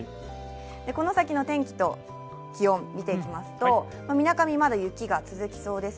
この先の天気と気温をみていきますとみなかみ、まだ雪が続きそうです。